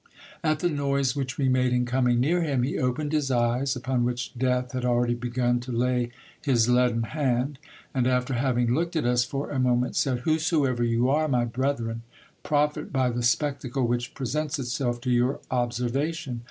At the noise which we made in coming near him, he opened his eyes, upon which death had already begun to lay his leaden hand ; and after having looked at us for a moment, said, " Whosoever you are, my brethren, profit by the spectacle which presents itself to your observation.